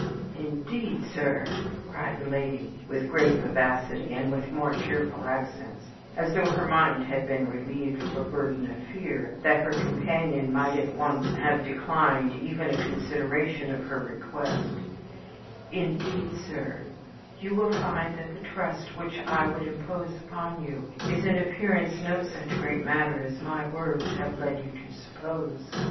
"Indeed, sir," cried the lady, with great vivacity and with more cheerful accents as though her mind had been relieved of a burden of fear that her companion might at once have declined even a consideration of her request "indeed, sir, you will find that the trust which I would impose upon you is in appearance no such great matter as my words may have led you to suppose.